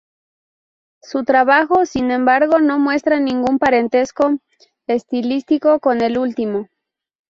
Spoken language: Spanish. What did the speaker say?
Su trabajo, sin embargo, no muestra ningún parentesco estilístico con el último.